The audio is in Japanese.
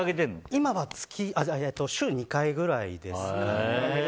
今は週２回ぐらいですね。